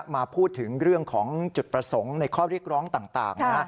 มาถึงเรื่องของจุดประสงค์ในข้อเรียกร้องต่าง